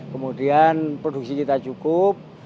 kemudian produksi kita cukup